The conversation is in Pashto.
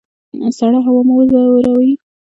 سړه هوا مو ځوروي؟